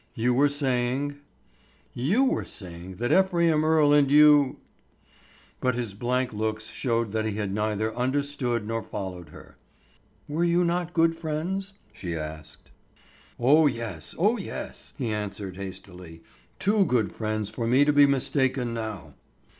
You were saying——" "You were saying that Ephraim Earle and you——" But his blank looks showed that he had neither understood nor followed her. "Were you not good friends?" she asked. "Oh, yes, oh, yes," he answered hastily; "too good friends for me to be mistaken now."